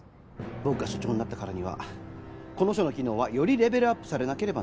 僕が署長になったからにはこの署の機能はよりレベルアップされなければなりません。